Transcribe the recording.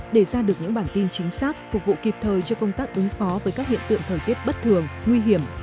để ra được những bản tin chính xác phục vụ kịp thời cho công tác ứng phó với các hiện tượng thời tiết bất thường nguy hiểm